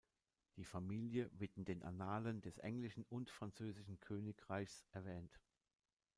Die Familie wird in den Annalen des englischen und französischen Königreichs erwähnt.